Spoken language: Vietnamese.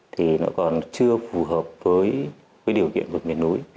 thì nó còn chưa phù hợp với điều kiện vực miền núi